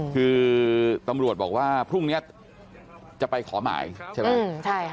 คือตำรวจบอกว่าพรุ่งนี้จะไปขอหมายใช่ไหม